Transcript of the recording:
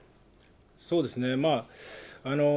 そうですね。